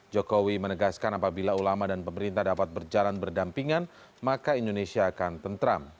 jokowi menegaskan apabila ulama dan pemerintah dapat berjalan berdampingan maka indonesia akan tentram